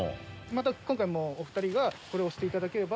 今回もお２人がこれ押していただければ。